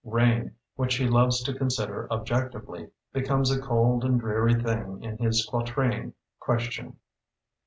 Rain, which he loves to consider objectively, becomes a cold and dreary thing in his quatrain, "Question".